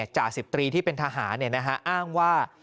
จ่าสิบตรีที่เป็นทหารอ้างว่า